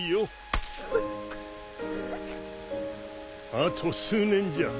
あと数年じゃ